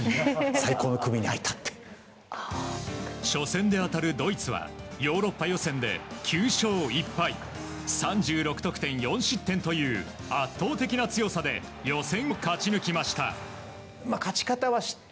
初戦で当たるドイツはヨーロッパ予選で９勝１敗３６得点４失点という圧倒的な強さで予選を勝ち抜きました。